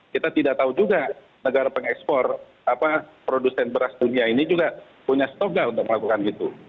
kita tidak tahu juga negara pengekspor produsen beras dunia ini juga punya stok nggak untuk melakukan itu